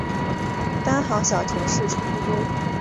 单行小程式是不多于一行的电脑程序或表达式。